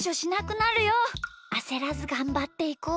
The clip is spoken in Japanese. あせらずがんばっていこう。